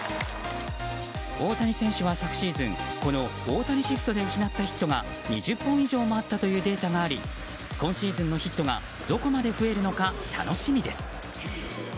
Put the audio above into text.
大谷選手は、昨シーズンこの大谷シフトで失ったヒットが２０本以上もあったというデータがあり今シーズンのヒットがどこまで増えるのか楽しみです。